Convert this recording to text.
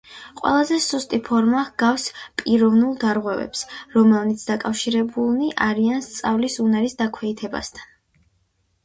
ყველაზე სუსტი ფორმა ჰგავს პიროვნულ დარღვევებს, რომელნიც დაკავშირებულნი არიან სწავლის უნარის დაქვეითებასთან.